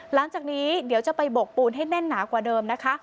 หลังจากนี้เดี๋ยวจะไปบกปูนให้แน่นหนากว่าเดิมนะคะ